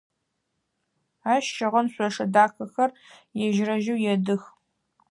Ащ щыгъын шъошэ дахэхэр ежь-ежьырэу едых.